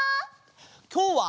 きょうは！